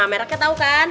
meraknya tau kan